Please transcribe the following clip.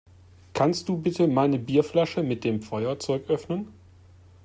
Kannst du bitte meine Bierflasche mit dem Feuerzeug öffnen?